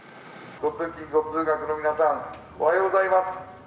ご通勤、ご登校の皆さんおはようございます。